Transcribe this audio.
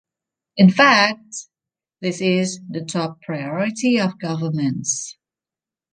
In fact, this is the top priority of governments.